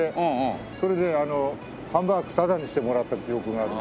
それであのハンバーグタダにしてもらった記憶がある。